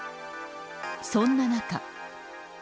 そんな中。